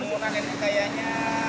bangunan ini kayaknya